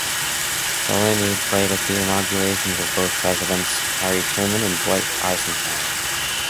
Salemi played at the inaugurations of both Presidents Harry Truman and Dwight Eisenhower.